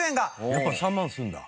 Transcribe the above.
やっぱり３万するんだ。